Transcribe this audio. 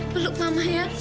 peluk mama ya